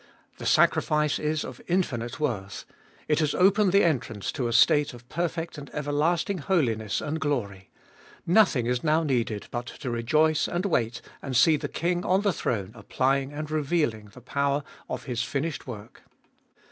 The sacrifice is of infinite worth ; it has opened the entrance to a state of perfect and everlasting holiness and glory ; nothing is now needed but to rejoice and wait and see the King on the throne applying and revealing the power of His finished work.